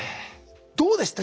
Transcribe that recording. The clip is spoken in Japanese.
どうでした？